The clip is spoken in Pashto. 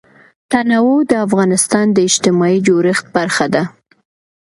تنوع د افغانستان د اجتماعي جوړښت برخه ده.